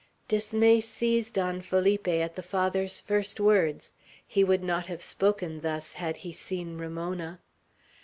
Dismay seized on Felipe at the Father's first words. He would not have spoken thus, had he seen Ramona.